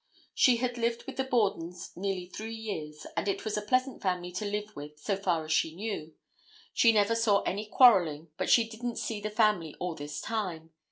She had lived with the Bordens nearly three years and it was a pleasant family to live with so far as she knew. She never saw any quarrelling but she didn't see the family all this time.